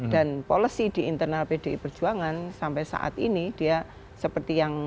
dan policy di internal pdi perjuangan sampai saat ini dia seperti yang